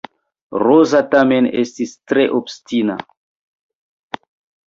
Roza tamen estis tre obstina.